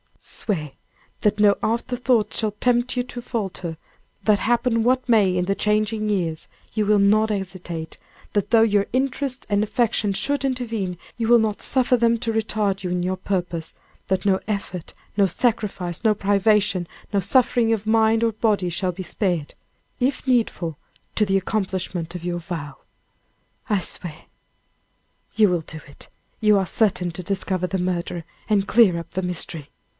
"Swear that no afterthoughts shall tempt you to falter; that happen what may in the changing years, you will not hesitate; that though your interests and affections should intervene, you will not suffer them to retard you in your purpose; that no effort, no sacrifice, no privation, no suffering of mind or body shall be spared, if needful, to the accomplishment of your vow." "I swear." "You will do it! You are certain to discover the murderer, and clear up the mystery."